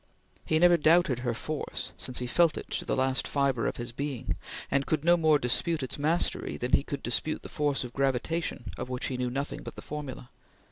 He never doubted her force, since he felt it to the last fibre of his being, and could not more dispute its mastery than he could dispute the force of gravitation of which he knew nothing but the formula.